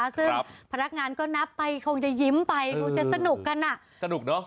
ซึ่งพนักงานก็นับไปคงจะยิ้มไปจะสนุกกันน่ะ